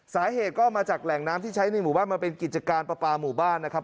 สาเหตุก็มาจากแหล่งน้ำที่ใช้ในหมู่บ้านมาเป็นกิจการปลาปลาหมู่บ้านนะครับ